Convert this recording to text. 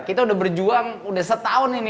kita udah berjuang udah setahun ini